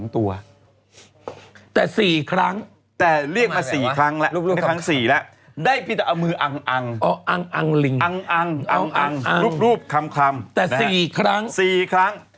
แต่๔ครั้ง